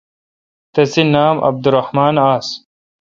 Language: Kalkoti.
تسے°نام عبدالرحمان آس